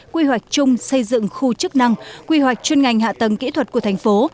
quy hoạch chung xây dựng khu chức năng quy hoạch chuyên ngành hạ tầng kỹ thuật của thành phố